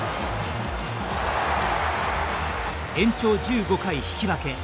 延長１５回引き分け。